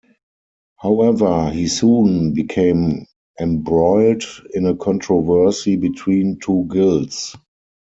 However, he soon became embroiled in a controversy between two guilds.